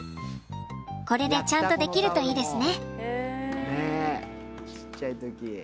これでちゃんとできるといいですね。